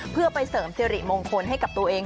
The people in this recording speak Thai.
เพื่อไปเสริมสิริมงคลให้กับตัวเอง